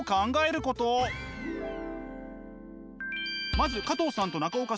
まず加藤さんと中岡さん